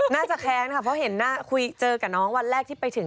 แค้นค่ะเพราะเห็นหน้าคุยเจอกับน้องวันแรกที่ไปถึง